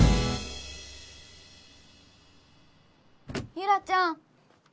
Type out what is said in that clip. ユラちゃん。